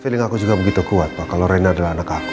tapi aku juga begitu kuat pak kalau reny adalah anak aku